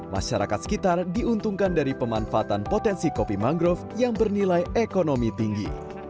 masyarakat sekitar diuntungkan dari pemanfaatan potensi kopi mangrove yang bernilai ekonomi tinggi